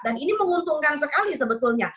ini menguntungkan sekali sebetulnya